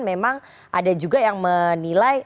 memang ada juga yang menilai